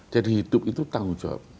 jadi hidup itu tanggung jawab